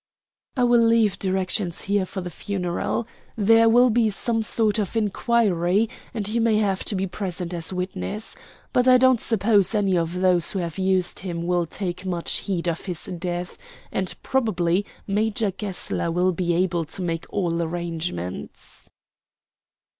"I will leave directions here for the funeral. There will be some sort of inquiry, and you may have to be present as witness. But I don't suppose any of those who have used him will take much heed of his death, and probably Major Gessler will be able to make all arrangements."